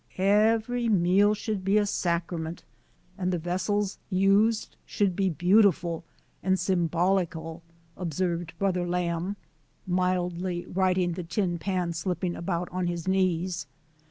"Every meal should be a sacrament, and the vessels used should be beautiful and symbolical," observed Brother Lamb, mildly, righting the tin pan slipping about on his knees.